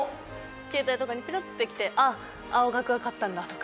ケータイにピロって来て「あっ青学が勝ったんだ」とか。